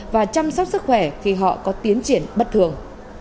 và chăm sóc sức khỏe khi họ có tiến triển bất thường